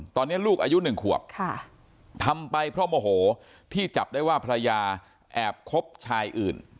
ตอนนี้ลูกอายุ๑ขวบทำไปเพราะโมโหที่จับได้ว่าภรรยาแอบคบชายอื่น